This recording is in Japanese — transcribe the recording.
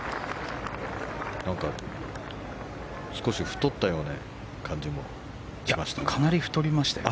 何か、少し太ったような感じもしましたね。